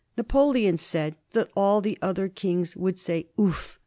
Napoleon said that all the other kings would say "Ouf!"